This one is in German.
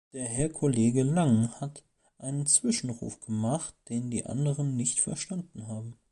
Der Herr Kollege Langen hat einen Zwischenruf gemacht, den die anderen nicht verstanden haben.